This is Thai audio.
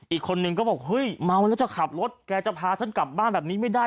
อีกคนนึงก็บอกเฮ้ยเมาแล้วจะขับรถแกจะพาฉันกลับบ้านแบบนี้ไม่ได้